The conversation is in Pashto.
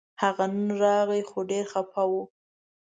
هغه نن راغی خو ډېر خپه و